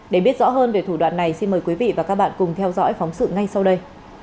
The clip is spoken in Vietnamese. để biết rõ hơn về thủ đoạn này xin mời quý vị và các bạn cùng theo dõi phóng sự ngay sau đây